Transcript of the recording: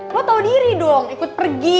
lo tau diri dong ikut pergi